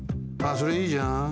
ああそれいいじゃん。